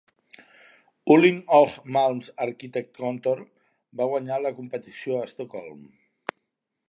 Uhlin och Malms Arkitektkontor va guanyar la competició a Estocolm.